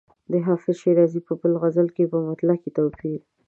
د حافظ شیرازي په بل غزل کې په مطلع کې توپیر.